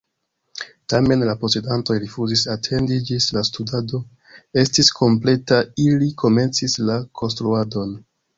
Tamen, la posedantoj rifuzis atendi ĝis la studado estis kompleta: ili komencis la konstruadon!